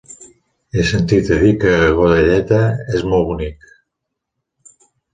He sentit a dir que Godelleta és molt bonic.